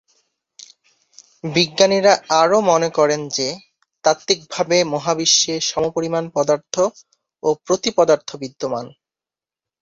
বিজ্ঞানীরা আরও মনে করেন যে তাত্ত্বিকভাবে মহাবিশ্বে সমপরিমাণ পদার্থ ও প্রতি-পদার্থ বিদ্যমান।